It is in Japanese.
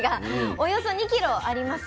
およそ２キロあります。